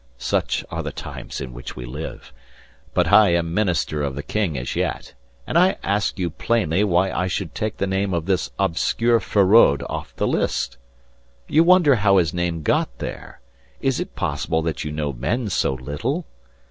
Such are the times in which we live. But I am minister of the king as yet, and I ask you plainly why I should take the name of this obscure Feraud off the list? You wonder how his name got there. Is it possible that you know men so little?